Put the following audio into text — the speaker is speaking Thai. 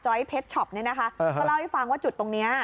จอยท์เพชชอปเนี่ยนะคะ